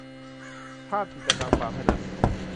ภาพจิตรกรรมฝาผนัง